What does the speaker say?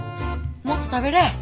もっと食べれ。